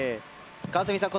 川澄さん